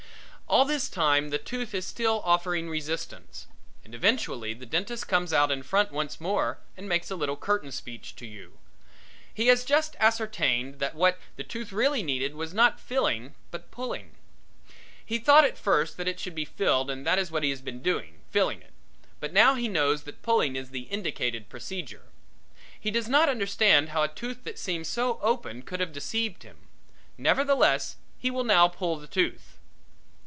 All this time the tooth is still offering resistance, and eventually the dentist comes out in front once more and makes a little curtain speech to you. He has just ascertained that what the tooth really needed was not filling but pulling. He thought at first that it should be filled and that is what he has been doing filling it but now he knows that pulling is the indicated procedure. He does not understand how a tooth that seemed so open could have deceived him. Nevertheless he will now pull the tooth.